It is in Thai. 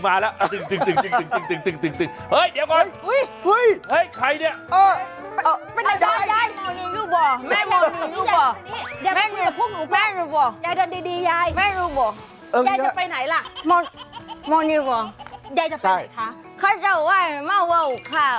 แม่เนาะอีหลาเนาะ